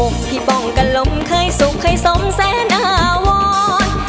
พี่ป้องกันลมเคยสุขเคยสมแสนอาวร